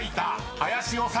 ［林修！］